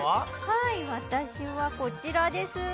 はい私はこちらです